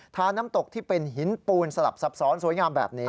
น้ำตกที่เป็นหินปูนสลับซับซ้อนสวยงามแบบนี้